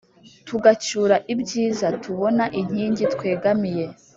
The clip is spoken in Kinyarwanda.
tugacyura ibyiza, tubona inkingi twegamiye